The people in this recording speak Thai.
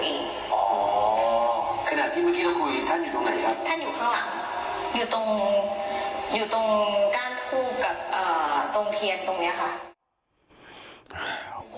อยู่ตรงอยู่ตรงก้านทูกกับเอ่อตรงเพียรติ์ตรงเนี้ยค่ะ